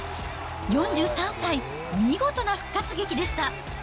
４３歳、見事な復活劇でした。